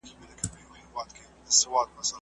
د مور ملاتړ ماشوم زړور کوي.